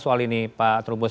soal ini pak trubus